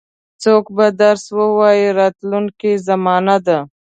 څوک به درس ووایي راتلونکې زمانه ده.